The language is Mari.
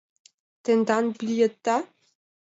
— Тендан билетда?